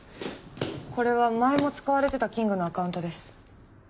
これは前も使われてたキングのアカウントです。